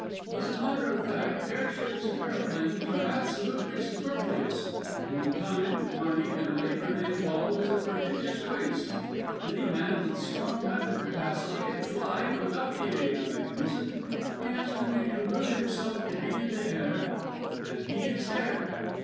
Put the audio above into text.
As a matter of fact, airships and aeroplanes are absolutely superfluous and the time, money and labour they involve is a prodigious waste. Any man with strong mental capacity can fly without the aid of mechanism. He has only to will himself to be in the air and he is there.